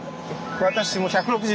私も１６２です